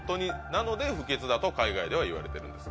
なので不吉だと海外ではいわれてるんです。